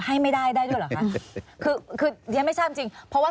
ให้ไม่ได้ได้ด้วยเหรอคะ